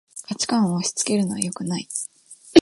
価値観を押しつけるのはよくない